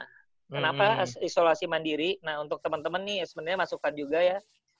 kenapa isolasi mandiri nah untuk temen temen nih sebenernya masukkan juga ya